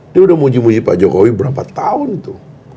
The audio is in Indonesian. dia udah muji muji pak jokowi berapa tahun tuh